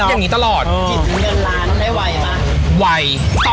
คิดอย่างงี้ตลอดเออคิดเงินล้านได้ไหวไหมไหว